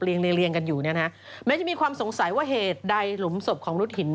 เลเรียงกันอยู่เนี่ยนะแม้จะมีความสงสัยว่าเหตุใดหลุมศพของรุดหิน